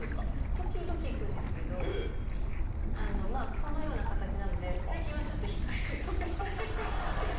時々行くんですけど、このような形なので、最近はちょっと控えるようになりまして。